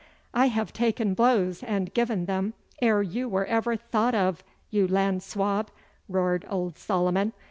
'I have taken blows and given them ere you were ever thought of, you land swab,' roared old Solomon.